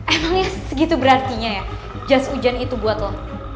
emangnya segitu berarti ya jas hujan itu buat lo